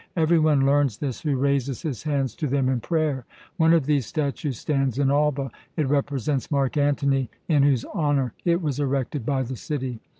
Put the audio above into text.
Every one learns this who raises his hands to them in prayer. One of these statues stands in Alba. It represents Mark Antony, in whose honour it was erected by the city.